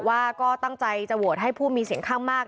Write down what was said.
ว่าก็ตั้งใจจะโหวตให้ผู้มีเสียงข้างมาก